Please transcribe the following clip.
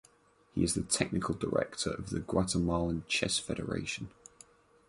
He is the Technical Director of the Guatemalan Chess Federation.